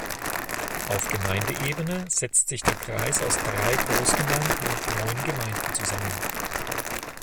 Auf Gemeindeebene setzt sich der Kreis aus drei Großgemeinde und neun Gemeinden zusammen.